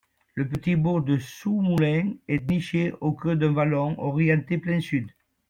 Le petit bourg de Sousmoulins est niché au creux d'un vallon orienté plein sud.